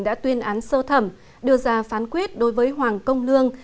đã tuyên án sơ thẩm đưa ra phán quyết đối với hoàng công lương